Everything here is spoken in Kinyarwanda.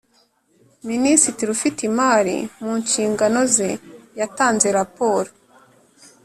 Minisitiri ufite imari mu nshingano ze yatanze raporo